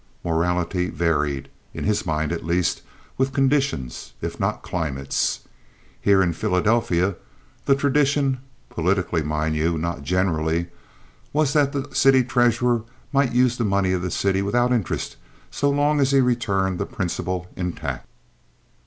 Morality varied, in his mind at least, with conditions, if not climates. Here, in Philadelphia, the tradition (politically, mind you—not generally) was that the city treasurer might use the money of the city without interest so long as he returned the principal intact.